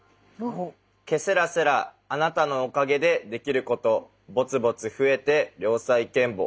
「けせらせらあなたのおかげでできることぼつぼつふえて良才賢歩」。